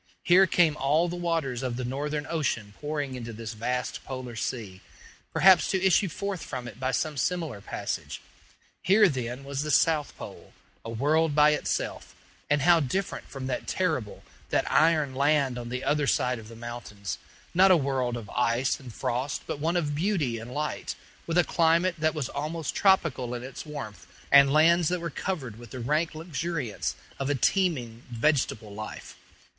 Here came all the waters of the Northern ocean pouring into this vast polar sea, perhaps to issue forth from it by some similar passage. Here, then, was the South Pole a world by itself: and how different from that terrible, that iron land on the other side of the mountains! not a world of ice and frost, but one of beauty and light, with a climate that was almost tropical in its warmth, and lands that were covered with the rank luxuriance of a teeming vegetable life.